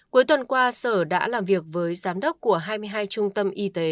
cuối tuần qua sở đã làm việc với giám đốc của hai mươi hai trung tâm y tế